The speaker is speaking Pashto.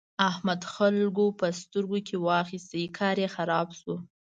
احمد خلګو په سترګو کې واخيست؛ کار يې خراب شو.